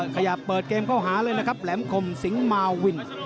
ขยับเปิดเกมเข้าหาเลยนะครับแหลมคมสิงหมาวิน